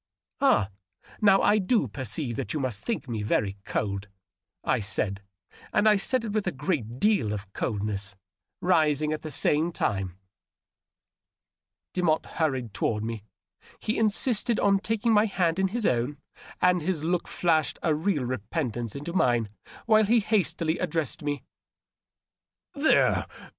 " Ah, now I do perceive that you must think me very cold," I said, and I said it with a great deal of coldness, rising at the same time. 672 DOUGLAS DUANE. Demotte hurried toward me. He insisted on taking my hand in his own^ and his look flashed a real repentance into mine wlule he hastily addressed me. " There !